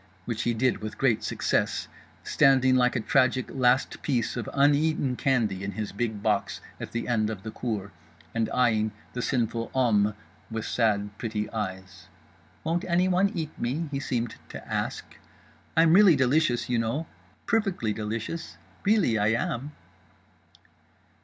Which he did with great success, standing like a tragic last piece of uneaten candy in his big box at the end of the cour, and eyeing the sinful hommes with sad pretty eyes. Won't anyone eat me?—he seemed to ask.—I'm really delicious, you know, perfectly delicious, really I am.